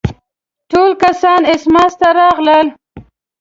ټول کسان اسماس ته راغلل.